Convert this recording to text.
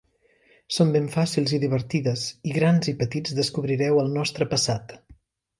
Són ben fàcils i divertides i grans i petits descobrireu el nostre passat.